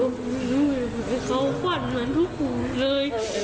เขากว่านเหมือนทุกคนเลย